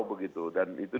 dan itu didiskusikan